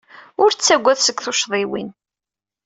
Ur ttagad seg tuccḍiwin.